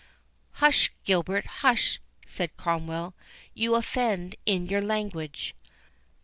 "Hush, Gilbert, hush!" said Cromwell; "you offend in your language."